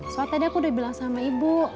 soal tadi aku udah bilang sama ibu